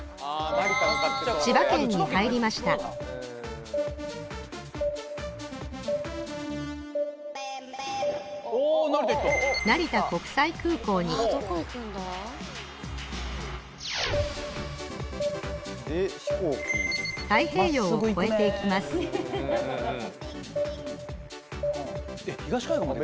千葉県に入りました成田国際空港に太平洋を越えていきます・えっ東海岸まで？